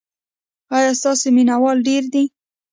ایا ستاسو مینه وال ډیر دي؟